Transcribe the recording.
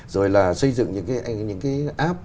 rồi là xây dựng những cái app